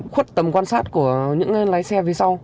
khuất tầm quan sát của những lái xe phía sau